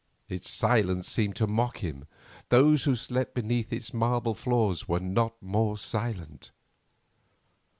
Its silence seemed to mock him. Those who slept beneath its marble floor were not more silent.